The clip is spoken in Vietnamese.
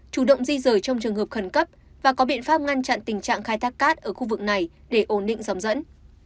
chủ động di rời trong trường hợp khẩn cấp và có biện pháp ngăn chặn tình trạng khai thác cát ở khu vực này để ổn định dòng dẫn